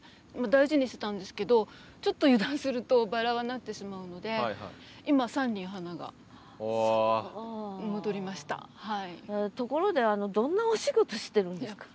大事にしてたんですけどちょっと油断するとバラはなってしまうので今ところでどんなお仕事してるんですか？